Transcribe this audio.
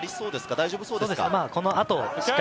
大丈夫そうですか？